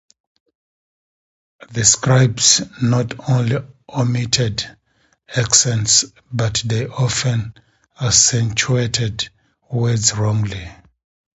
The scribes not only omitted accents, but they often accentuated words wrongly.